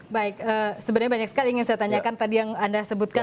baik sebenarnya banyak sekali ingin saya tanyakan tadi yang anda sebutkan